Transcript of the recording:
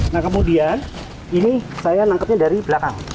nah kemudian ini saya nangkepnya dari belakang